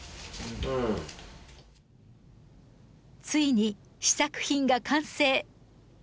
ついに試作品が完成！